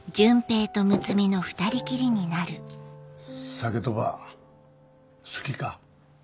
鮭とば好きか？